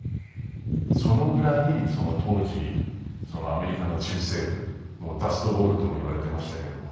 そのぐらい当時アメリカの中西部ダストボウルともいわれていましたけれども。